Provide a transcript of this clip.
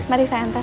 mari saya antar